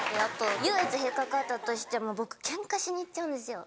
唯一引っかかったとしても僕ケンカしにいっちゃうんですよ。